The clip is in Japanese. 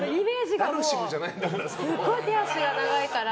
すごい手脚が長いから。